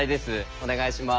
お願いします。